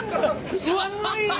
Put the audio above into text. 寒いよ！